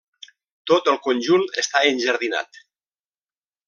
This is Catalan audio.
Tot el conjunt està enjardinat.